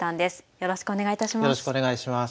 よろしくお願いします。